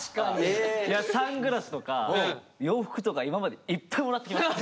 サングラスとか洋服とか今までいっぱいもらってきました。